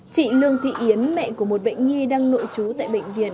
chị lương thị yến mẹ của một bệnh nhi đang nội trú tại bệnh viện